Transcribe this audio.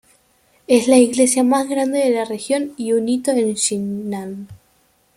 Es la iglesia más grande de la región y un hito de Jinan.